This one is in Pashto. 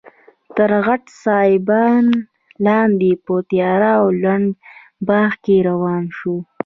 تر غټ سایبان لاندې په تیاره او لوند باغ کې روان شوو.